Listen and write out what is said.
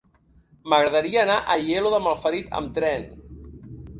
M'agradaria anar a Aielo de Malferit amb tren.